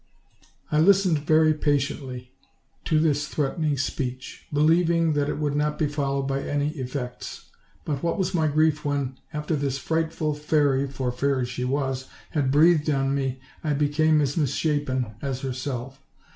"I listened very patiently to this threatening speech, believing that it would not be followed by any effects; ' what was my grief when, after this frightful fairy IQ2 OLD, OLD FAIRY TALES. (for fairy she was) had breathed on me, I "became as mis shapen as herself.